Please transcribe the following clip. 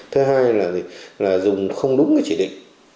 thứ hai là dùng không đúng cái chỉ định